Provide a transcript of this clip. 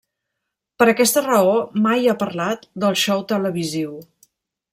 Per aquesta raó mai ha parlat del xou televisiu.